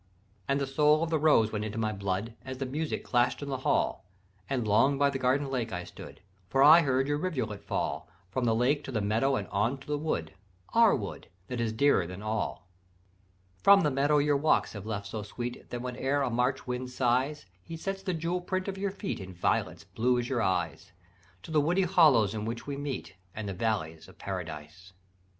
"And the soul of the rose went into my blood, As the music clash'd in the hall; And long by the garden lake I stood, For I heard your rivulet fall From the lake to the meadow and on to the wood, Our wood, that is dearer than all; "From the meadow your walks have left so sweet That whenever a March wind sighs He sets the jewel print of your feet In violets blue as your eyes, To the woody hollows in which we meet And the valleys of Paradise.